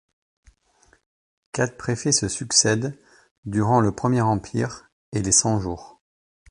Quatre préfets se succèdent durant le Premier Empire et les Cent-Jours.